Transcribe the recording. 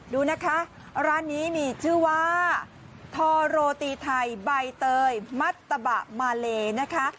ดูนะคะร้านนี้มีชื่อว่าทอโรตีไทยใบเตยมัตตะบะมาเลนะคะ